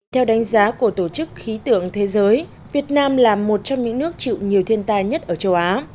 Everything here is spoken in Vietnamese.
theo đánh giá của tổ chức khí tượng thế giới việt nam là một trong những nước chịu nhiều thiên tai nhất ở châu á